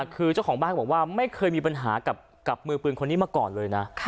คือเจ้าของบ้านเขาบอกว่าไม่เคยมีปัญหากับมือปืนคนนี้มาก่อนเลยนะ